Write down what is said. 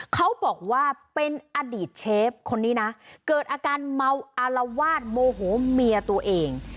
เขาบอกว่าเป็นอดีตเชฟคนนี้นะเกิดอาการเมาอารวาสโมโหเมียตัวเอง